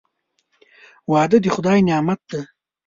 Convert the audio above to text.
• واده د خدای نعمت دی.